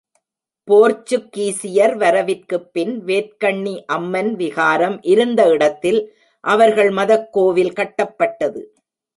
போர்ச்சுக்கீசியர் வரவிற்குப் பின் வேற்கண்ணி அம்மன் விகாரம் இருந்த இடத்தில் அவர்கள் மதக்கோவில் கட்டப்பட்டது.